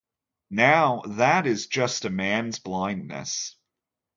Now that is just a man's blindness.